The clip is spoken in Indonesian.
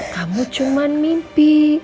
kamu cuman mimpi